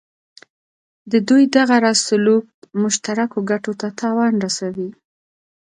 د دوی دغه راز سلوک مشترکو ګټو ته تاوان رسوي.